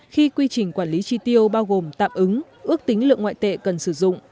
khi quy trình quản lý chi tiêu bao gồm tạm ứng ước tính lượng ngoại tệ cần sử dụng